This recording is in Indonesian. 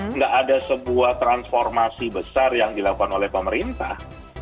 nggak ada sebuah transformasi besar yang dilakukan oleh pemerintah